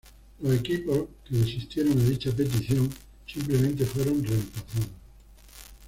Los equipos que desistieron a dicha petición simplemente fueron reemplazados.